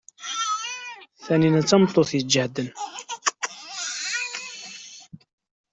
Tanina d tameṭṭut iǧehden.